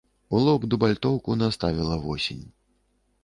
У лоб дубальтоўку наставіла восень.